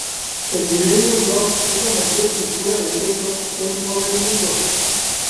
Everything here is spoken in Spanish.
El Millennium Dome es la mayor estructura de techo único del mundo.